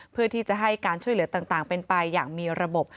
เพื่อที่จะให้การช่วยเหลือต่างเป็นไปอย่างมีระบบ